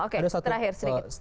oke terakhir sedikit